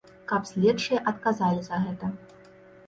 Каб следчыя адказалі за гэта.